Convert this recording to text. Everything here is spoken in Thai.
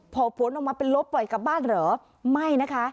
พอผลออกมาเป็นลบปล่อยกลับบ้านเหรอไม่นะคะ